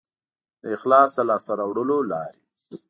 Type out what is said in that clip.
د اخلاص د لاسته راوړلو لارې